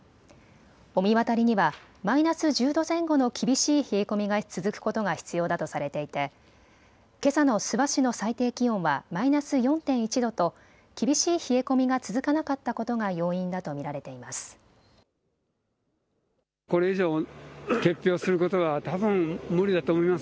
御神渡りにはマイナス１０度前後の厳しい冷え込みが続くことが必要だとされていてけさの諏訪市の最低気温はマイナス４．１度と厳しい冷え込みが続かなかったことが要因だと見られています。